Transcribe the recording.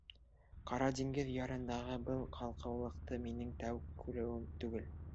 Ҡара диңгеҙ ярындағы был ҡалҡыулыҡты минең тәү күреүем түгел.